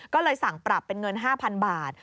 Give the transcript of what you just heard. ก็เลยสั่งปรับเป็นเงิน๕๐๐๐บาท